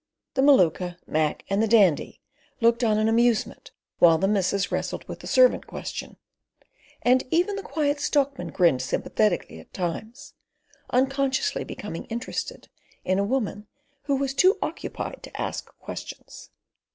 The Maluka, Mac and the Dandy, looked on in amusement while the missus wrestled with the servant question; and even the Quiet Stockman grinned sympathetically at times, unconsciously becoming interested in a woman who was too occupied to ask questions.